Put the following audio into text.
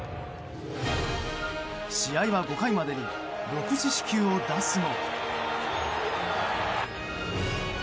試合は５回までに６四死球を出すも。